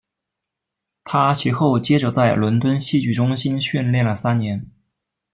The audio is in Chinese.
他其后接着在伦敦戏剧中心训练了三年。